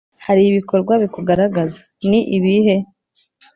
hari ibikorwa bikugaragaza? ni ibihe?